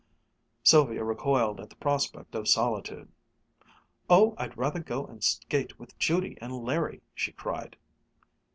Sylvia recoiled at the prospect of solitude. "Oh, I'd rather go and skate with Judy and Larry!" she cried.